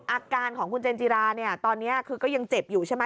อาการของคุณเจนจิราเนี่ยตอนนี้คือก็ยังเจ็บอยู่ใช่ไหม